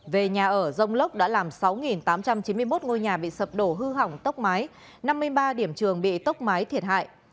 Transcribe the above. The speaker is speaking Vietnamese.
về nhà ở rông lốc đã làm sáu tám trăm chín mươi một ngôi nhà bị sập đổ hư hỏng tốc mái năm mươi ba điểm trường bị tốc mái thiệt hại